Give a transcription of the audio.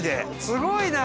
すごいな！